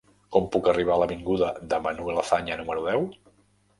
Com puc arribar a l'avinguda de Manuel Azaña número deu?